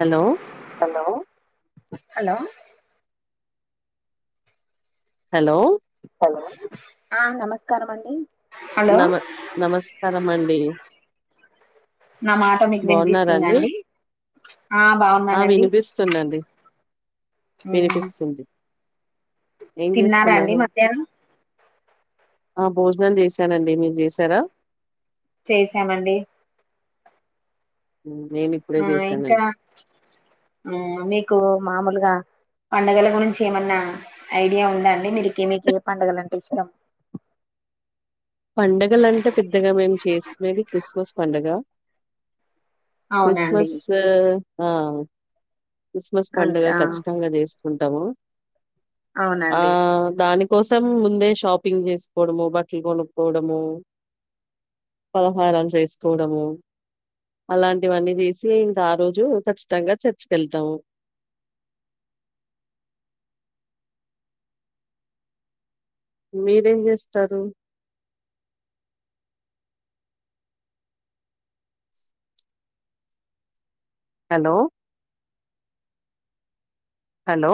hello hello hello hello hello ఆ నమస్కారం అండి హలో నమ నమస్కారమ అండి నా మాట మీకు బాగున్నారండి వినిపిస్తుందండి ఆ బాగున్నానండి వినిపిసింది ఏం తిన్నారా అండి చేస్తున్నారు మధ్యాహ్నం ఆ భోజనాలు చేసానండి మీరు చేసారా చేసామండి నేను ఇప్పుడే ఆ ఇంకా చేశానండి ఆ మీకు మామూలుగా పండుగల గురించి ఏమన్నా ఐడియా ఉందా అండి మీరిక మీకు ఏ పండుగల అంటే ఇష్టం పండగలంటే పెద్దగా మేము చేసుకునేది క్రిస్మస్ పండగ అవునండి క్రిస్మస్ ఆ క్రిస్మస్ పండగ ఇంకా ఖచ్చితంగా చేసుకుంటాము ఆ అవునండి దానికి కోసం ముందే షాపింగ్ చేసుకోవడము బట్టలు కొనుక్కోవడము పలహారం చేసుకోవడము అలాంటివన్నీ చేసి ఇంకా ఆ రోజు ఖచ్చితంగా చర్చిక వెళ్తాము అ నిశ్శబ్దంగా ఉంది మీరేం చేస్తారు హలో హలో